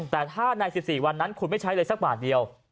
แต่ถ้าใน๑๔วันนั้นคุณไม่ใช้เลยสักบาทเดียว